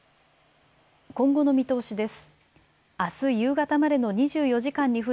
今後の見通しです。